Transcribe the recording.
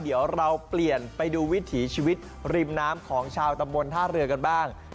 เดี๋ยวเราเปลี่ยนไปดูวิถีชีวิตริมน้ำของชาวตำบลท่าเรือกันบ้าง